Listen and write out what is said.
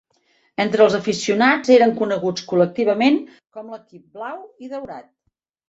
Entre els aficionats, eren coneguts col·lectivament com l'equip "blau i daurat".